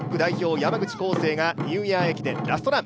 山口浩勢がニューイヤー駅伝ラストラン。